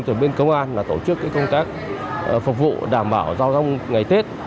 từ bên công an là tổ chức công tác phục vụ đảm bảo giao thông ngày tết